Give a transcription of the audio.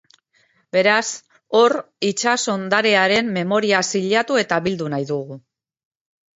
Beraz hor itsas ondarearen memoria zilatu eta bildu nahi dugu.